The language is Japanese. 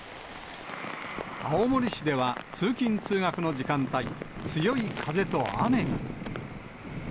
青森市では、通勤・通学の時間帯、強い風と雨が。